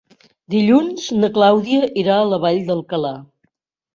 Dilluns na Clàudia irà a la Vall d'Alcalà.